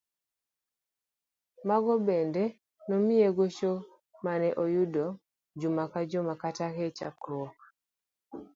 Mago bende nomiye gocho mane oyudo juma ka juma kata e chakruok.